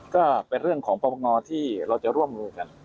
ก็เป็นเรื่องของปรปงที่เราจะร่วมมือกัน